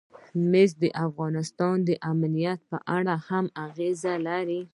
مس د افغانستان د امنیت په اړه هم اغېز لري.